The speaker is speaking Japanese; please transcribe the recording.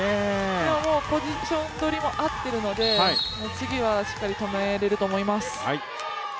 ポジションどりも合ってるので次はしっかり止めれると思います。